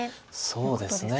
そうですね。